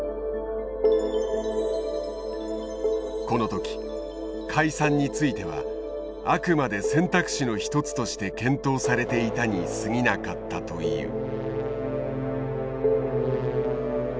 この時解散についてはあくまで選択肢の一つとして検討されていたにすぎなかったという。